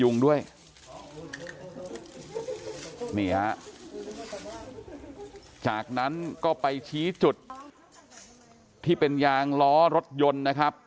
นี่ฮะจากนั้นก็ไปชี้จุดที่เป็นยางล้อรถยนต์นะครับ